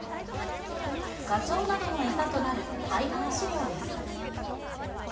ガチョウなどの餌となる配合飼料です。